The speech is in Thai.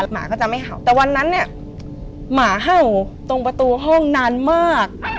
หมาก็จะไม่เห่าแต่วันนั้นเนี่ยหมาเห่าตรงประตูห้องนานมาก